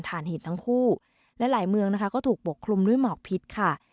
ฐานหินทั้งคู่และหลายเมืองนะคะก็ถูกปกคลุมด้วยหมอกพิษค่ะ